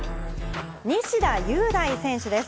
西田優大選手です。